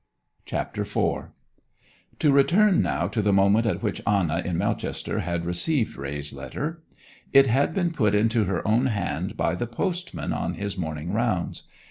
CHAPTER IV To return now to the moment at which Anna, at Melchester, had received Raye's letter. It had been put into her own hand by the postman on his morning rounds.